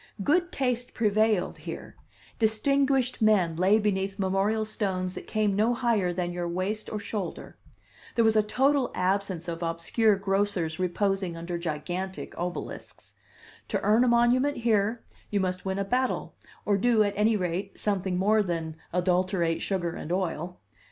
Good taste prevailed here; distinguished men lay beneath memorial stones that came no higher than your waist or shoulder; there was a total absence of obscure grocers reposing under gigantic obelisks; to earn a monument here you must win a battle, or do, at any rate, something more than adulterate sugar and oil.